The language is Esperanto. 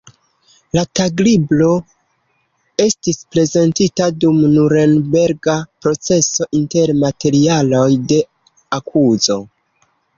La taglibro estis prezentita dum Nurenberga proceso inter materialoj de akuzo.